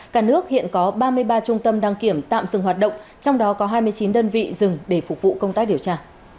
cả nước hiện có ba mươi ba trung tâm đăng kiểm tạm dừng hoạt động trong đó có hai mươi chín đơn vị dừng để phục vụ công tác điều tra